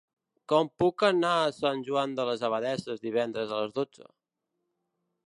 Com puc anar a Sant Joan de les Abadesses divendres a les dotze?